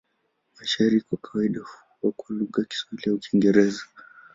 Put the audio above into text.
Mashairi kwa kawaida huwa kwa lugha ya Kiswahili au Kiingereza.